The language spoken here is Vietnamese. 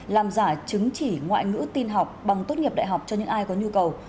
làm giả chứng chỉ ngoại ngữ tin học bằng tốt nghiệp đại học cho những ai có nhu cầu